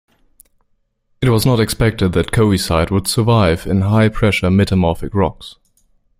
It was not expected that coesite would survive in high pressure metamorphic rocks.